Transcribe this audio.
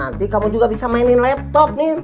biar nanti kamu juga bisa mainin laptop nin